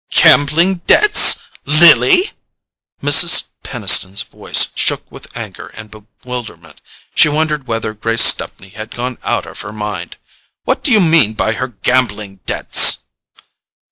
"Gambling debts? Lily?" Mrs. Peniston's voice shook with anger and bewilderment. She wondered whether Grace Stepney had gone out of her mind. "What do you mean by her gambling debts?"